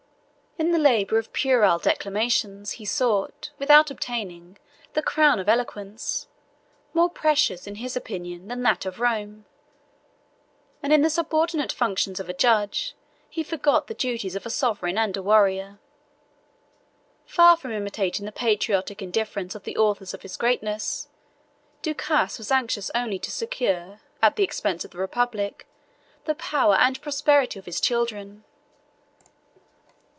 In the labor of puerile declamations he sought, without obtaining, the crown of eloquence, more precious, in his opinion, than that of Rome; and in the subordinate functions of a judge, he forgot the duties of a sovereign and a warrior. Far from imitating the patriotic indifference of the authors of his greatness, Ducas was anxious only to secure, at the expense of the republic, the power and prosperity of his children.